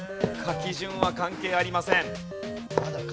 書き順は関係ありません。